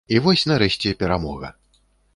І вось нарэшце перамога.